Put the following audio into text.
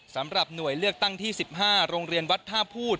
สำหรับหน่วยเลือกตั้งที่๑๕โรงเรียนวัดท่าพูด